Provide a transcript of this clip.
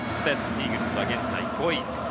イーグルスは現在５位。